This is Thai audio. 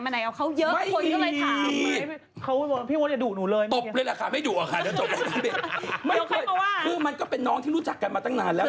ศักดิ์รายเลยถามมันก็เป็นน้องที่รู้จักกันมาตั้งนานแล้ว